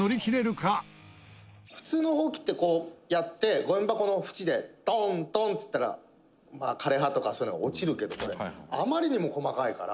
猿之助：「普通のホウキってこうやってゴミ箱のふちでトントンっつったら枯れ葉とかそういうのが落ちるけどこれ、あまりにも細かいから」